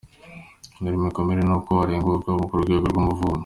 Dore imikorere n’uko warenganurwa ku Rwego rw’Umuvunyi